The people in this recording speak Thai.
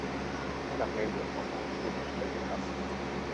ไม่รักในหลวง ออกจากประเทศนี้ไปเลยครับ